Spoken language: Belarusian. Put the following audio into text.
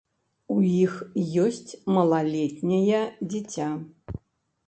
У іх ёсць малалетняе дзіця.